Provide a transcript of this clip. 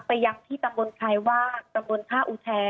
ไปยังที่ตำบลไทว่าตำบลภาคอูแทน